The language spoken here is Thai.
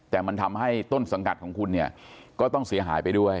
แต่มันทำให้ต้นสังกัดของคุณเนี่ยก็ต้องเสียหายไปด้วย